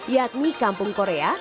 yakni kampung korea